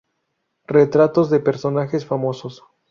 Retratos de personajes famosos.